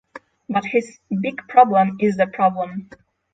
But his big problem is the problem.